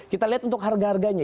kita lihat untuk harga harganya